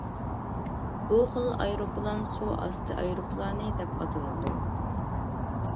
بۇ خىل ئايروپىلان سۇ ئاستى ئايروپىلانى دەپ ئاتىلىدۇ.